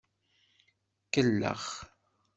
Kellex.